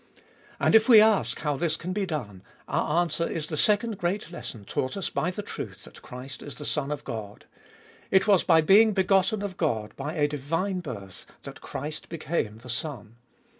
And if we ask how this can be done, our answer is the second great lesson taught us by the truth that Christ is the Son of God ! It was by being begotten of God, by a divine birth, that Christ became the Son.